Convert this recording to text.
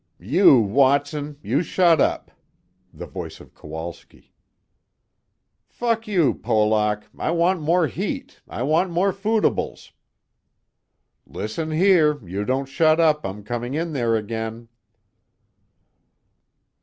"You Watson, you shaddap." The voice of Kowalski. "Fuck you, Polack, I want more heat, I want more foodibles." "Listen here, you don't shaddap, I'm coming in there again."